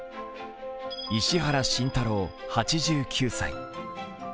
石原慎太郎、８９歳。